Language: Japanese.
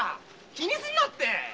気にすんなって。